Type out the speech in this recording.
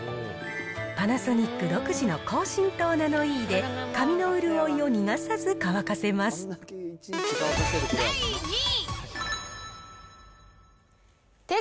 パナソニック独自の高浸透ナノイーで髪の潤いを逃がさず乾か第２位。